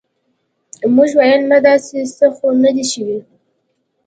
موږ ویل نه داسې څه خو نه دي شوي.